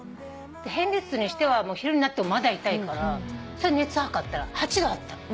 偏頭痛にしては昼になってもまだ痛いから熱測ったら８℃あったの。